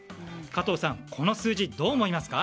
加藤さん、この数字どう思いますか？